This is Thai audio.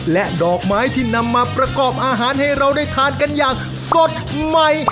และดอกไม้ที่นำมาประกอบอาหารให้เราได้ทานกันอย่างสดใหม่